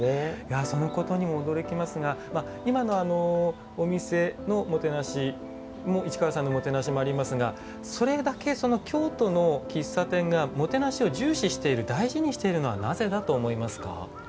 そのことにも驚きますが今のお店のもてなしも市川さんのもてなしもありますがそれだけ京都の喫茶店がもてなしを重視している大事にしているのはなぜだと思いますか？